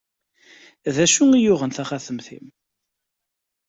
D acu i yuɣen taxatemt-im?